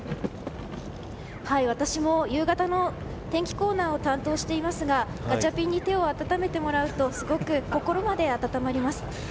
私も夕方の天気コーナーを担当していますがガチャピンに手を温めてもらうとすごく心まで温まります。